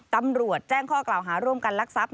ตำรวจแจ้งข้อกล่าวหาร่วมกันลักทรัพย